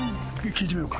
聞いてみようか。